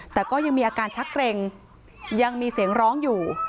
แต่ก็ยังมีอาการชักเกร็งยังมีเสียงร้องอยู่